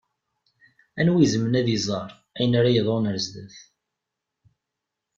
Anwa i izemren ad iẓeṛ ayen ara d-yeḍṛun ar zdat?